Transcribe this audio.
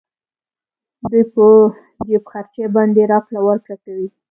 دوی په جېب خرچې باندې راکړه ورکړه کوي